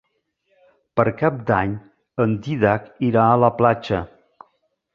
Per Cap d'Any en Dídac irà a la platja.